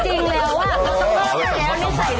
จริงแล้วว่าต้องต้องต้องอยู่แล้ว